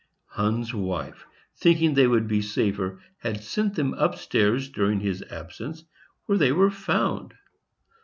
Hunn's wife, thinking they would be safer, had sent them up stairs during his absence, where they were found.